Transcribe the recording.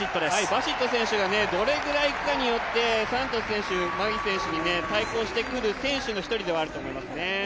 バシット選手がどれぐらいかによって、サントス選手、マギ選手に対抗してくる選手の１人ではありますね。